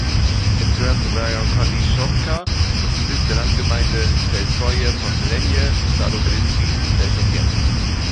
Es gehört zum Rajon Konyschowka und ist Sitz der Landgemeinde "(selskoje posselenije) Starobelizki selsowjet".